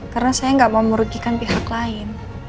karena saya gak mau merugikan pihak lain